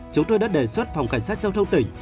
chúng tôi đã đề xuất phòng cảnh sát giao thông tỉnh